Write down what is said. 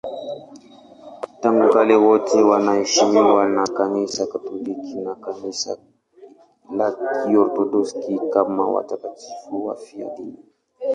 Tangu kale wote wanaheshimiwa na Kanisa Katoliki na Kanisa la Kiorthodoksi kama watakatifu wafiadini.